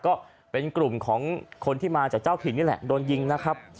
ก็เป็นกลุ่มของคนที่มาจากเจ้าถิ่นนี่แหละโดนยิงนะครับ